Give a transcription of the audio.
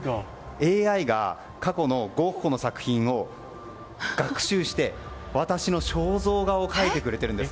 ＡＩが過去のゴッホの作品を学習して私の肖像画を描いてくれているんです。